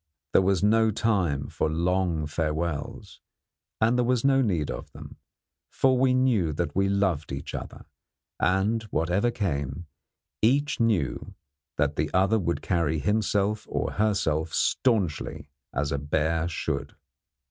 There was no time for long farewells; and there was no need of them, for we knew that we loved each other, and, whatever came, each knew that the other would carry himself or herself staunchly as a bear should.